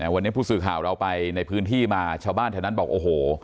วันนี้ผู้สื่อข่าวเราไปในพื้นที่มาชาวบ้านแถวนั้นบอกโอ้โห